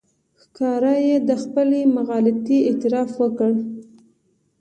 ښکاره یې د خپلې مغالطې اعتراف وکړ.